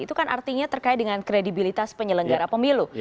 itu kan artinya terkait dengan kredibilitas penyelenggara pemilu